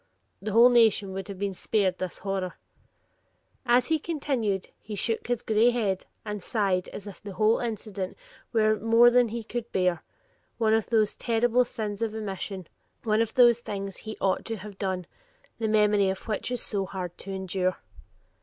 The whole nation would have been spared this horror." As he concluded he shook his gray head and sighed as if the whole incident were more than he could bear one of those terrible sins of omission; one of the things he "ought to have done," the memory of which is so hard to endure.